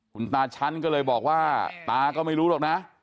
คุณตาชั้นก็เลยบอกว่าตาก็ไม่รู้หรอกนะ